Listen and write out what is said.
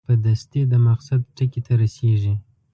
په دستي د مقصد ټکي ته رسېږي.